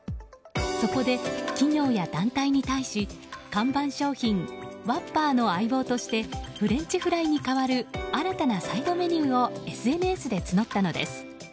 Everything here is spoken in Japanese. そこで、企業や団体に対し看板商品ワッパーの相棒としてフレンチフライに代わる新たなサイドメニューをＳＮＳで募ったのです。